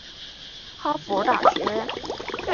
这一年哈尔滨毅腾成功冲上中甲。